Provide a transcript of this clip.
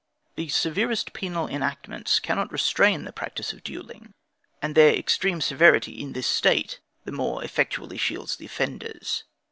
The severest penal enactments cannot restrain the practice of duelling, and their extreme severity in this State, the more effectually shields the offenders.